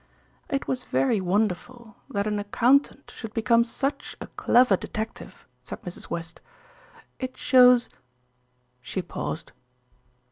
"It was very wonderful that an accountant should become such a clever detective," said Mrs. West. "It shows " she paused.